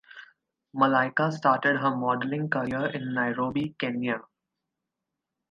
Malaika started her modeling career in Nairobi Kenya.